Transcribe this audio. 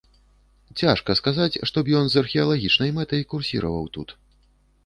Цяжка сказаць, што б ён з археалагічнай мэтай курсіраваў тут.